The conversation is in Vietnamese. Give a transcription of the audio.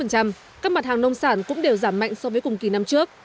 các mặt hàng nông sản cũng đều giảm mạnh so với cùng kỳ năm trước